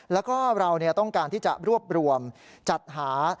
แล้วก็เราต้องการที่จะรวบรวมจัดหา